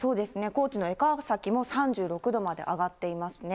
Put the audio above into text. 高知の江川崎も３６度まで上がっていますね。